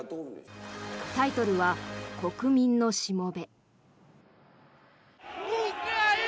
タイトルは「国民のしもべ」。